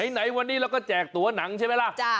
ไหนวันนี้เราก็แจกตัวหนังใช่ไหมล่ะ